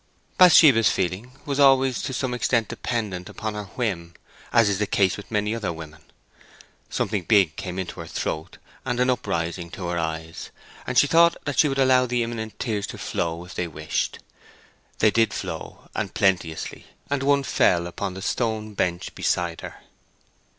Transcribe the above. Bathsheba's feeling was always to some extent dependent upon her whim, as is the case with many other women. Something big came into her throat and an uprising to her eyes—and she thought that she would allow the imminent tears to flow if they wished. They did flow and plenteously, and one fell upon the stone bench beside her.